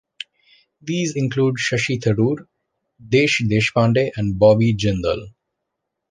These include Shashi Tharoor, Desh Deshpande, and Bobby Jindal.